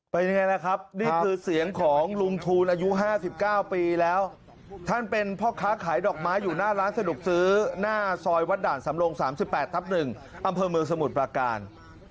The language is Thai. เป็นยังไงล่ะครับนี่คือเสียงของลุงทูลอายุ๕๙ปีแล้วท่านเป็นพ่อค้าขายดอกไม้อยู่หน้าร้านสะดวกซื้อหน้าซอยวัดด่านสำรง๓๘ทับ๑อำเภอเมืองสมุทรประการ